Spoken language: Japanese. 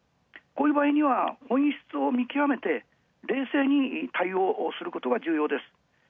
こういう場合には、本質を見極めて冷静に対応することが重要です。